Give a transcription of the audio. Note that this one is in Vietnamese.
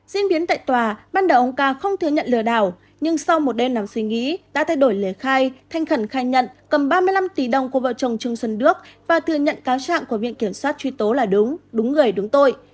diễn biến tại tòa ban đầu ông ca không thừa nhận lừa đảo nhưng sau một đêm nằm suy nghĩ đã thay đổi lễ khai thanh khẩn khai nhận cầm ba mươi năm tỷ đồng của vợ chồng trương xuân đức và thừa nhận cáo trạng của viện kiểm soát truy tố là đúng đúng người đúng tội